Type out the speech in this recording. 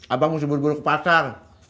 apa musibur buruk pasang